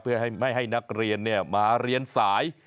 เพื่อไม่ให้นักเรียนมาเรียนสาย